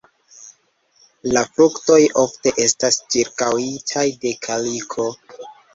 La fruktoj ofte estas ĉirkaŭitaj de kaliko.